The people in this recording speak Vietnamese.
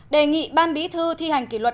đề nghị ban bí thư thi hành kỷ luật